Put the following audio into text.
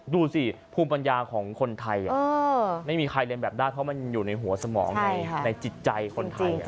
ดูสิภูมิปัญญาของคนไทยไม่มีใครเรียนแบบได้เพราะมันอยู่ในหัวสมองไงในจิตใจคนไทย